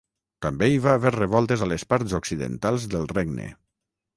També hi va haver revoltes a les parts occidentals del Regne.